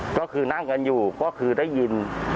ก็คือนั่งกันอยู่ก็คือได้ยิน